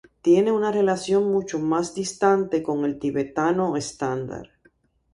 Tiene una relación mucho más distante con el tibetano estándar.